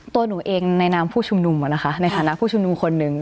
ตัวหนูเองในนามผู้ชุมนุมในฐานะผู้ชุมนุมคนหนึ่ง